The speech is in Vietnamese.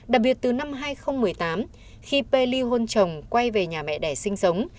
đặc biệt từ năm hai nghìn một mươi tám khi pely hôn chồng quay về nhà mẹ đẻ sinh sống